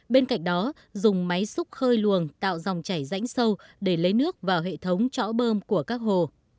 bên cạnh đó dùng máy xúc khơi luồng tạo dòng chảy rãnh sâu để lấy nước vào hệ thống chõ bơm của các hồ